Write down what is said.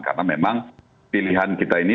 karena memang pilihan kita ini